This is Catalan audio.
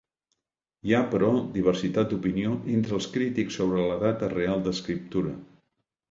Hi ha, però, diversitat d'opinió entre els crítics sobre la data real d'escriptura.